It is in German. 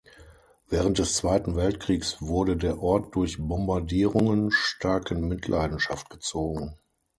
Während des Zweiten Weltkriegs wurde der Ort durch Bombardierungen stark in Mitleidenschaft gezogen.